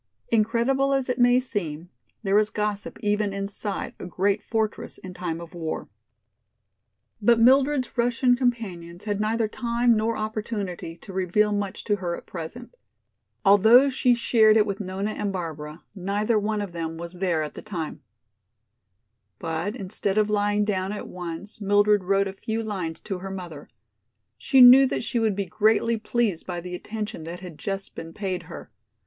Incredible as it may seem, there is gossip even inside a great fortress in time of war. But Mildred's Russian companions had neither time nor opportunity to reveal much to her at present. As soon as it was possible she begged that she might be allowed to go to her own room. Although she shared it with Nona and Barbara, neither one of them was there at the time. But instead of lying down at once Mildred wrote a few lines to her mother. She knew that she would be greatly pleased by the attention that had just been paid her.